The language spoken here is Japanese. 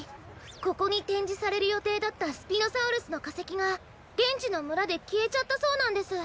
ここにてんじされるよていだったスピノサウルスのかせきがげんちのむらできえちゃったそうなんです。